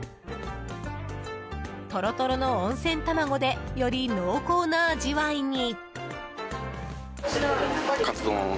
とろとろの温泉卵でより濃厚な味わいに。